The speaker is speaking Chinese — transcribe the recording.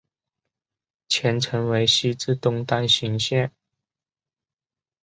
全程为西至东单行线。